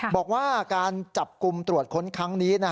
บอกว่าการจับกลุ่มตรวจค้นครั้งนี้